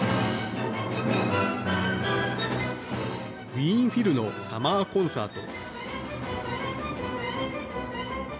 ウィーンフィルのサマーコンサート。